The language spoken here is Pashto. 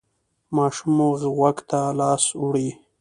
ماشوم مو غوږ ته لاس وړي؟